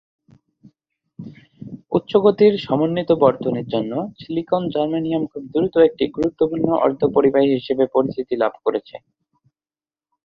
উচ্চগতির সমন্বিত বর্তনীর জন্য সিলিকন-জার্মেনিয়াম খুব দ্রুত একটি গুরুত্বপূর্ণ অর্ধপরিবাহী হিসেবে পরিচিতি লাভ করছে।